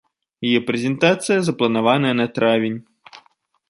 Яе прэзентацыя запланаваная на травень.